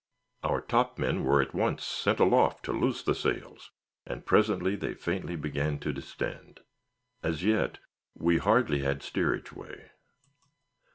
Our top men were at once sent aloft to loose the sails, and presently they faintly began to distend. As yet we hardly had steerage way.